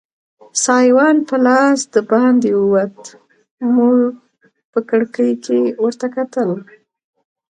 سایوان په لاس دباندې ووت، موږ په کړکۍ کې ورته کتل.